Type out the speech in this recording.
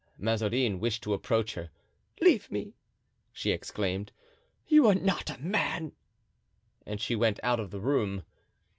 Mazarin wished to approach her. "Leave me!" she exclaimed; "you are not a man!" and she went out of the room.